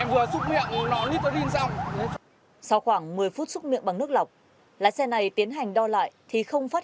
vừa sử dụng nước xúc miệng nó là nitrolin xong